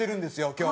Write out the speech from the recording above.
今日。